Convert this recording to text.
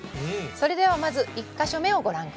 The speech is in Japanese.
それではまず１か所目をご覧下さい。